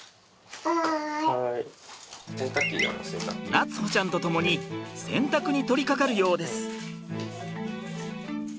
夏歩ちゃんと共に洗濯に取りかかるようです。